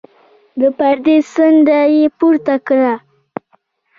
د پردې څنډه يې پورته کړه.